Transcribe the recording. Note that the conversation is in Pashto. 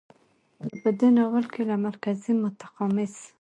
نو په دې ناول کې له مرکزي، متخاصم،